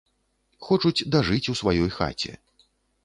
Хочуць дажыць у сваёй хаце.